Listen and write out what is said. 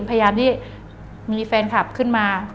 พยายามที่มีแฟนคลับขึ้นมา